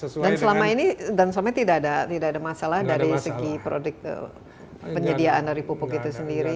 dan selama ini tidak ada masalah dari segi produk penyediaan dari pupuk itu sendiri